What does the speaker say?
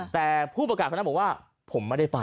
แต่ผู้ประกาศคนนั้นบอกว่าผมไม่ได้ไป